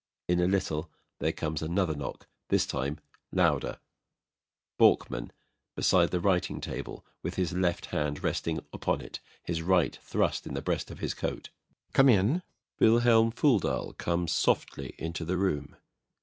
[In a little there comes another knock, this time louder. BORKMAN. [Standing beside the writing table with his left hand resting upon it, and his right thrust in the breast of his coat.] Come in! [VILHELM FOLDAL comes softly into the room.